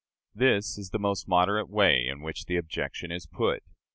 This is the most moderate way in which the objection is put.